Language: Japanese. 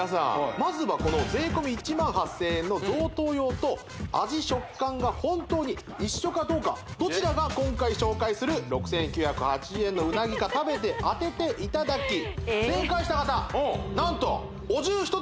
まずはこの税込１８０００円の贈答用と味食感が本当に一緒かどうかどちらが今回紹介する６９８０円のうなぎか食べて当てていただき何とえ！